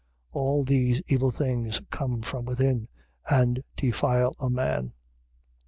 7:23. All these evil things come from within and defile a man. 7:24.